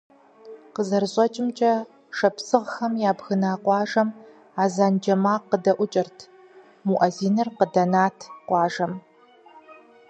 КъызэрыщӀэкӀамкӀэ, шапсыгъхэм ябгына къуажэм азэн джэ макъ къыдэӀукӀырт – муӀэзиныр къыдэнат къуажэм.